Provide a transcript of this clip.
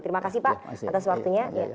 terima kasih pak atas waktunya